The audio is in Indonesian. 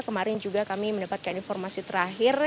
kemarin juga kami mendapatkan informasi terakhir